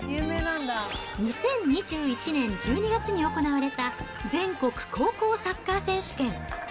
２０２１年１２月に行われた、全国高校サッカー選手権。